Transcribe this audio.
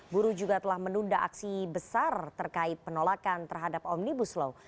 buruh juga telah menunda aksi besar terkait penolakan terhadap omnibus law